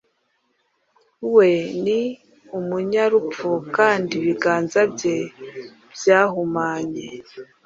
We ni umunyarupfu, kandi ibiganza bye byahumanye